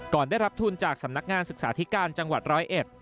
ได้รับทุนจากสำนักงานศึกษาธิการจังหวัดร้อยเอ็ด